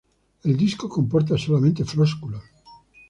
El disco comporta solamente flósculos.